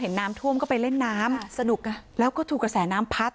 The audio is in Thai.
เห็นน้ำท่วมเข้าไปเล่นน้ำสนุกอ่ะแล้วก็ถูกกระแสน้ำพัด